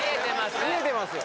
見えてますよ